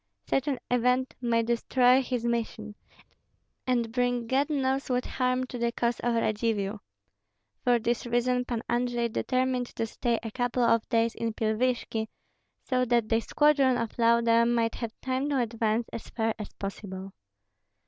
Such an event might destroy his mission, and bring God knows what harm to the cause of Radzivill. For this reason Pan Andrei determined to stay a couple of days in Pilvishki, so that the squadron of Lauda might have time to advance as far as possible.